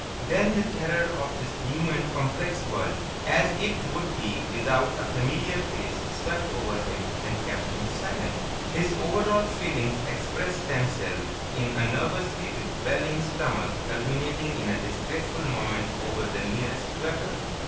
Then the terror of this new and complex world as it would be without a familiar face swept over him and kept him silent. His overwrought feelings expressed themselves in a nervously rebelling stomach, culminating in a disgraceful moment over the nearest gutter.